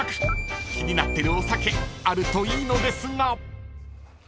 ［気になってるお酒あるといいのですが］